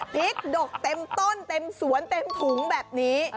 พริกดกเต็มต้นเต็มสวนเต็มถุงแบบนี้